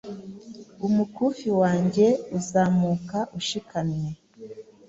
umukufi wanjye uzamuka ushikamye